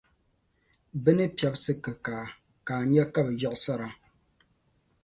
Bɛ ni piɛbsi kikaa, ka a nya ka bɛ yiɣisira.